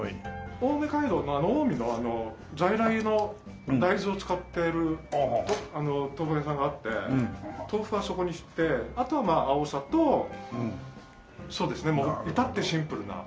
青梅街道の近江の在来の大豆を使っている豆腐屋さんがあって豆腐はそこにしてあとはまあアオサとそうですねもういたってシンプルな。